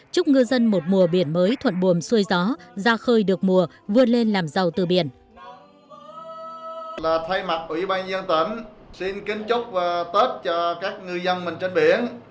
chúc ngư dân một mùa biển mới thuận bùm xuôi gió ra khơi được mùa vươn lên làm giàu từ biển